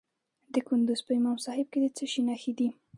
د کندز په امام صاحب کې د څه شي نښې دي؟